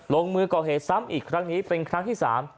ลงมือก่อเหตุซ้ำอีกครั้งนี้เป็นครั้งที่๓